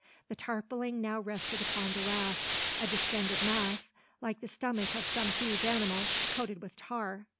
The tarpauling now rested upon the raft, a distended mass, like the stomach of some huge animal coated with tar.